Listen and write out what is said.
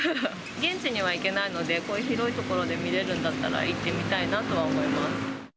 現地には行けないので、こういう広い所で見れるんだったら、行ってみたいなとは思います。